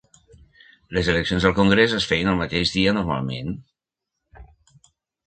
Les eleccions al congrés es feien el mateix dia normalment.